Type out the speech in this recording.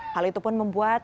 hal itu pun membuat